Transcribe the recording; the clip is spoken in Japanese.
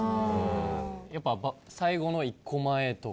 やっぱ最後の１個前とか。